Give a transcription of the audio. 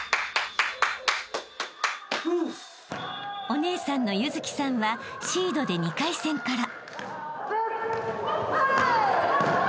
［お姉さんの優月さんはシードで２回戦から］